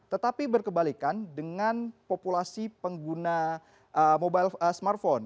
tetapi berkebalikan dengan populasi pengguna mobile smartphone